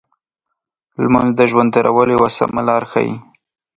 لمونځ د ژوند تېرولو یو سمه لار ښيي.